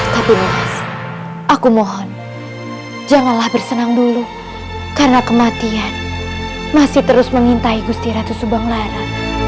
tapi mas aku mohon janganlah bersenang dulu karena kematian masih terus mengintai gusti ratu subang lara